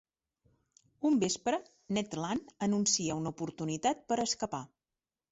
Un vespre, Ned Land anuncia una oportunitat per escapar.